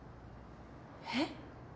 えっ？